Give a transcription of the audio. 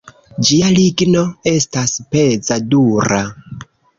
Ĝia ligno estas peza, dura.